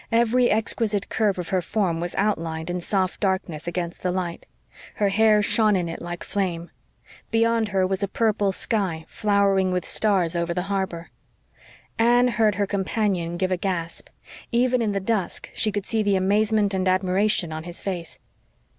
Every exquisite curve of her form was outlined in soft darkness against the light. Her hair shone in it like flame. Beyond her was a purple sky, flowering with stars over the harbor. Anne heard her companion give a gasp. Even in the dusk she could see the amazement and admiration on his face.